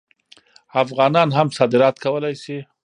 افغانان هم صادرات کولی شي.